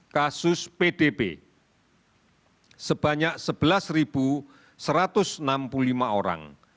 kasus pdb sebanyak sebelas satu ratus enam puluh lima orang